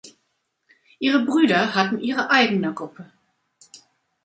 Ihre Brüder hatten ihre eigene Gruppe.